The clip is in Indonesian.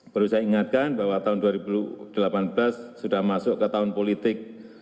perlu saya ingatkan bahwa tahun dua ribu delapan belas sudah masuk ke tahun politik